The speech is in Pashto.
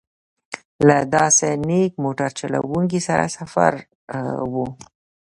له داسې نېک موټر چلوونکي سره سفر و.